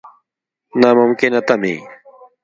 نا ممکنه تمې.